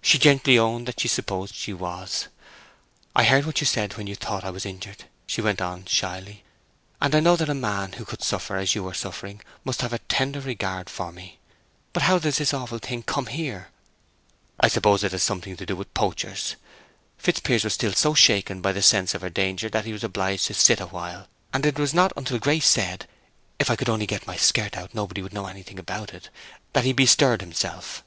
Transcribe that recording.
She gently owned that she supposed she was. "I heard what you said when you thought I was injured," she went on, shyly, "and I know that a man who could suffer as you were suffering must have a tender regard for me. But how does this awful thing come here?" "I suppose it has something to do with poachers." Fitzpiers was still so shaken by the sense of her danger that he was obliged to sit awhile, and it was not until Grace said, "If I could only get my skirt out nobody would know anything about it," that he bestirred himself.